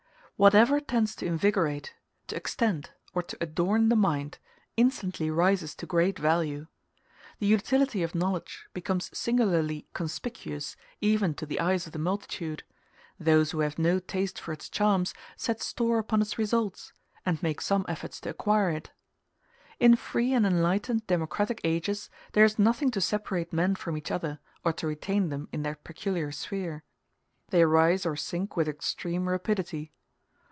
Whatever tends to invigorate, to extend, or to adorn the mind, instantly rises to great value. The utility of knowledge becomes singularly conspicuous even to the eyes of the multitude: those who have no taste for its charms set store upon its results, and make some efforts to acquire it. In free and enlightened democratic ages, there is nothing to separate men from each other or to retain them in their peculiar sphere; they rise or sink with extreme rapidity.